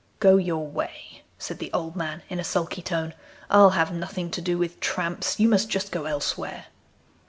'Go your way,' said the old man in a sulky tone, 'I'll have nothing to do with tramps. You must just go elsewhere.